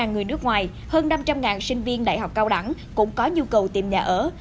một trăm linh người nước ngoài hơn năm trăm linh sinh viên đại học cao đẳng cũng có nhu cầu tìm nhà ở